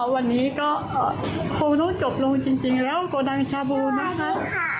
วันนี้ก็คงต้องจบลงจริงแล้วโกดังชาบูนะคะ